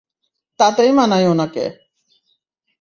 তাতেই মানায় ওনাকে।